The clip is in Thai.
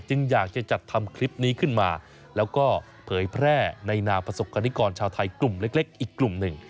อยากจะจัดทำคลิปนี้ขึ้นมาแล้วก็เผยแพร่ในนามประสบกรณิกรชาวไทยกลุ่มเล็กอีกกลุ่มหนึ่ง